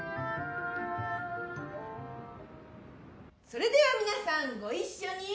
それでは皆さんご一緒に。